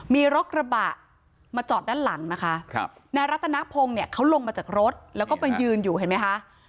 มีรถกระบะมาจอดด้านหลังนะคะครับนายรัตนพงศ์เนี่ยเขาลงมาจากรถแล้วก็มายืนอยู่เห็นไหมคะ